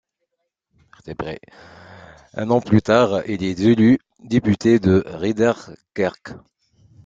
Un an plus tard, il est élu député de Ridderkerk.